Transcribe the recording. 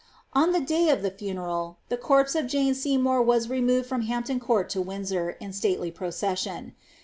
On the day of the funeral, the corpse of Jane Seymour was remoft from Hampton Court to Windsor, in stately procession.